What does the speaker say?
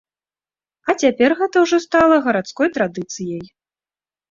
А цяпер гэта ўжо стала гарадской традыцыяй.